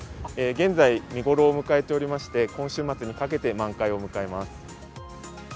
現在、見頃を迎えておりまして、今週末にかけて満開を迎えます。